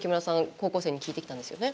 高校生に聞いてきたんですよね。